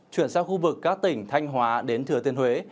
chuyển sang khu vực các tỉnh thanh hóa đến thừa tiên huế